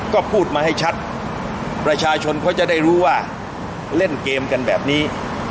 ก็พูดมาให้ชัดประชาชนเขาจะได้รู้ว่าเล่นเกมกันแบบนี้